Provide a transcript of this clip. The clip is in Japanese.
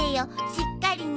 しっかりね。